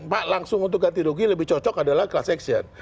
pak langsung untuk ganti rugi lebih cocok adalah kelas action